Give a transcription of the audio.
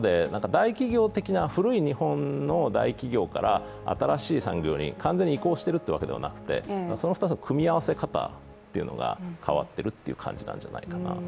なので、古い日本の大企業から新しい産業に完全に移行しているというわけではなくて、その２つの組み合わせ方が変わっているという感じなんじゃないかな。